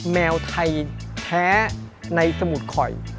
แมวไทยแท้ในสมุดข่อย